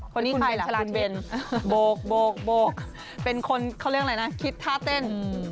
ใครล่ะชานเบนโบกเป็นคนเขาเรียกอะไรนะคิดท่าเต้น